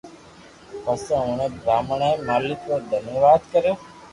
پسي اوڻي براھمڻ اي مالڪ رو دھنيواد ڪريو